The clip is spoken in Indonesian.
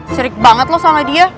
serik banget loh sama dia